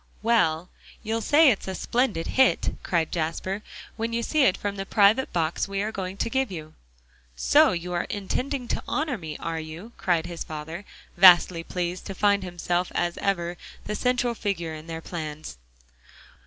"Well, you'll say it's a splendid hit!" cried Jasper, "when you see it from the private box we are going to give you." "So you are intending to honor me, are you?" cried his father, vastly pleased to find himself as ever, the central figure in their plans.